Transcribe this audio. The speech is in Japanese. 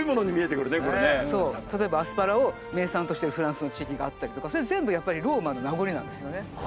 例えばアスパラを名産としてるフランスの地域があったりとかそういうの全部やっぱりローマの名残なんですよね。